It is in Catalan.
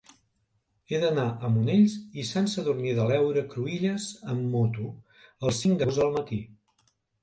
He d'anar a Monells i Sant Sadurní de l'Heura Cruïlles amb moto el cinc d'agost al matí.